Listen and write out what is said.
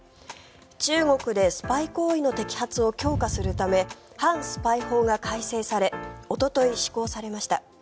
中国でスパイ行為の摘発を強化するため反スパイ法が改正されおととい、施行されました。